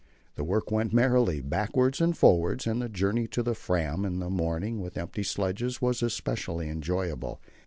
The work went merrily, backwards and forwards, and the journey to the Fram in the morning with empty sledges was specially enjoyable.